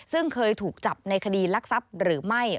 ซึ่งเคยถูกจับในคดีรักทรัพย์หรือไม่